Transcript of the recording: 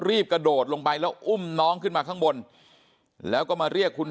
กระโดดลงไปแล้วอุ้มน้องขึ้นมาข้างบนแล้วก็มาเรียกคุณ